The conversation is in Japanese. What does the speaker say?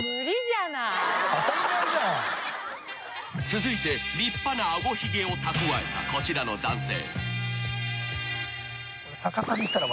［続いて立派な顎ひげを蓄えたこちらの男性］